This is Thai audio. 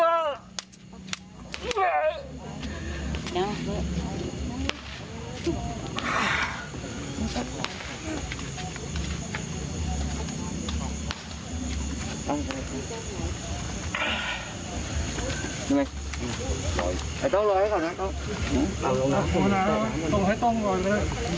ไอ้เจ้าลอยให้ก่อนนะ